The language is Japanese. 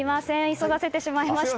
急がせてしまいました。